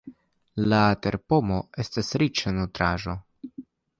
La terpomo estas riĉa nutraĵo.